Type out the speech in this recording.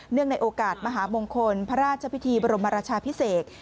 ในโอกาสมหามงคลพระราชพิธีบรมราชาพิเศษ